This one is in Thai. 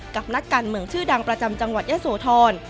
นักการเมืองชื่อดังประจำจังหวัดยะโสธร